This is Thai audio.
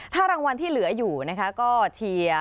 ถ้ารางวัลที่เหลืออยู่นะคะก็เชียร์